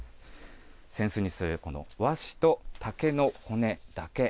扇子にする、この和紙と竹の骨だけ。